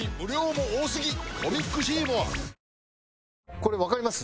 これわかります？